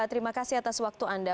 terima kasih atas waktu anda